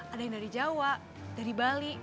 ada yang dari jawa dari bali